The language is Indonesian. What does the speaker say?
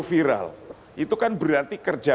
viral itu kan berarti kerja